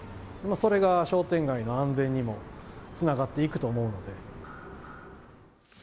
それが商店街の安全にもつながっていくと思うので。